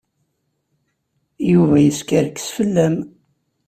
Yuba yeskerkes fell-am.